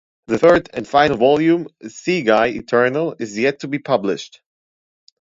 The third and final volume, "Seaguy Eternal" is yet to be published.